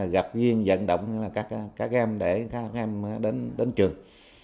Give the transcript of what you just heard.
gặp viên dẫn động các em để các em đến trường